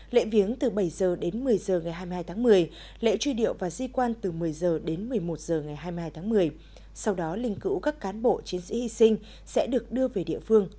lễ viếng từ bảy h đến một mươi h ngày hai mươi hai tháng một mươi lễ truy điệu và di quan từ một mươi h đến một mươi một h ngày hai mươi hai tháng một mươi